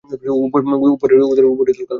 উদরের উপরিতল কালো।